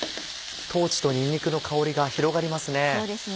豆とにんにくの香りが広がりますね。